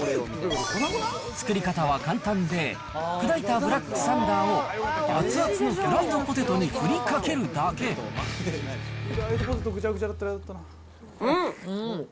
作り方は簡単で、砕いたブラックサンダーを熱々のフライドポテトに振りかけるだけうん。